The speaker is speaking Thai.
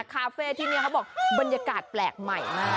คาเฟ่ที่นี่เขาบอกบรรยากาศแปลกใหม่มาก